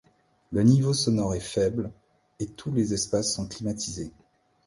Le niveau sonore est faible et tous les espaces sont climatisés.